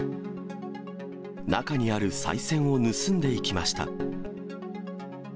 中にあるさい銭を盗んでいきました。